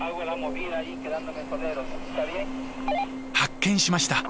発見しました。